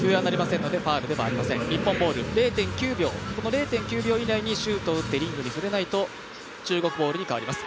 ０．９秒以内にシュートを打ってリングに触れないと中国ボールに変わります。